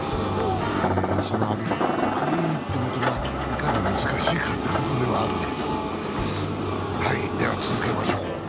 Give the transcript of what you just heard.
そのありのままでいいということが、いかに難しいかということでもあるんですが。